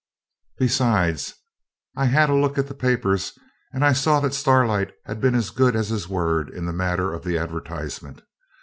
Besides, I'd had a look at the papers, and I saw that Starlight had been as good as his word, in the matter of the advertisement.